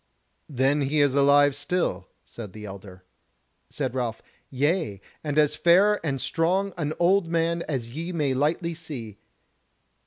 "Then he is alive still," said the elder. Said Ralph: "Yea, and as fair and strong an old man as ye may lightly see."